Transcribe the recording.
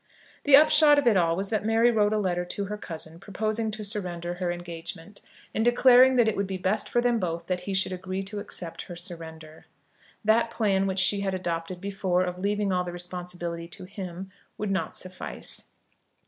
The upshot of it all was that Mary wrote a letter to her cousin proposing to surrender her engagement, and declaring that it would be best for them both that he should agree to accept her surrender. That plan which she had adopted before, of leaving all the responsibility to him, would not suffice.